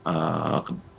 dan beberapa kebetulan